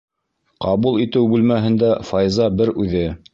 Ҡабул итеү бүлмәһендә Файза бер үҙе.